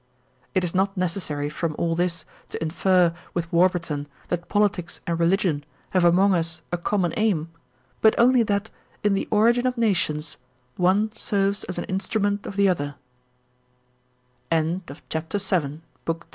It is not necessary from all this to infer with Warbur ton that politics and religion have among us a common aim, but only that, in the origin of nations, one serves as an instrument of the other. CHAPTER VIII.